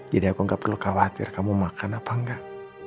jadi aku gak perlu khawatir kamu makan apa enggak